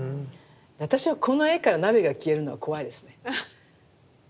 私はこの絵から鍋が消えるのは怖いですね。